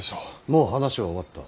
もう話は終わった。